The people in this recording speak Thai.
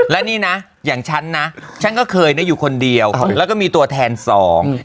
และนี่นะอย่างฉันนะฉันก็เคยนะอยู่คนเดียวแล้วก็มีตัวแทนสอง